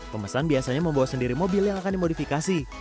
pemesan biasanya membawa sendiri mobil yang akan dimodifikasi